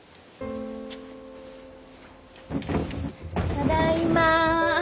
ただいま。